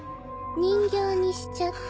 人形にしちゃった。